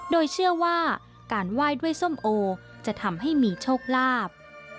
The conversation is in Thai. โดยเชื่อว่าการไหว้ด้วยส้มโอจะทำให้มีโชคลาภ